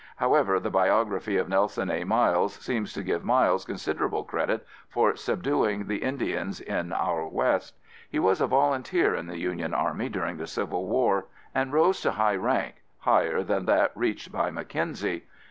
However, the biography of Nelson A. Miles seems to give Miles considerable credit for subduing the Indians in our West. He was a volunteer in the Union Army during the Civil War and rose to high rank, higher than that reached by Mackenzie.